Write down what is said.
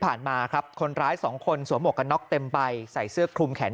ผ่านมาครับคนร้าย๒คนสวมอกกันน็อคเต็มไปใส่เสื้อคลุมแขน